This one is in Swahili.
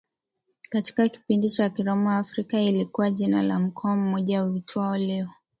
katika kipindi cha Kiroma Afrika ilikuwa jina la mkoa mmoja uitwao leo